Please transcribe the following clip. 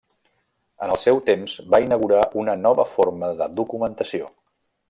En el seu temps, va inaugurar una nova forma de documentació.